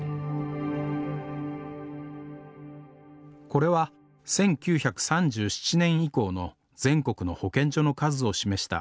これは１９３７年以降の全国の保健所の数を示したグラフです。